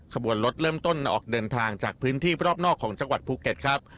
ขบวนรถเริ่มต้นออกเดินทางจากพื้นที่รอบนอกของจังหวัดภูเก็ตครับ